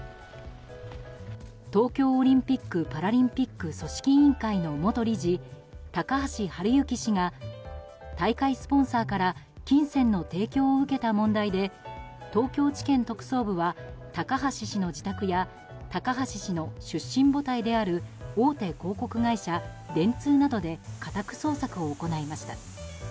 東京オリンピック・パラリンピック組織委員会の元理事高橋治之氏が大会スポンサーから金銭の提供を受けた問題で東京地検特捜部は高橋氏の自宅や高橋氏の出身母体である大手広告会社、電通などで家宅捜索を行いました。